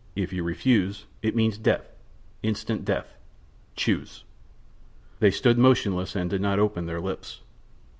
If you refuse, it means death instant death. Choose!" They stood motionless, and did not open their lips.